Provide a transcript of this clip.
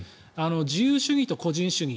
自由主義と個人主義